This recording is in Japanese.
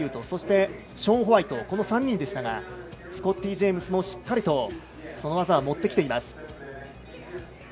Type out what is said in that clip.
そして、ショーン・ホワイトこの３人でしたがスコッティ・ジェームズもしっかりとその技を持ってきています。